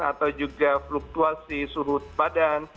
atau juga fluktuasi suhu badan